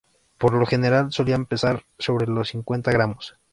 Por lo general solían pesar sobre los cincuenta gramos.